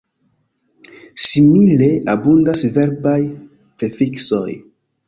Simile, abundas verbaj prefiksoj.